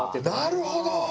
なるほど！